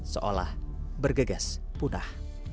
seolah bergegas punah